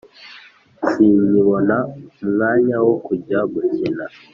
Sinkibona umwanya wo kujya gukina